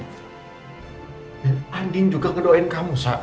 dan andin juga ngedoin kamu sa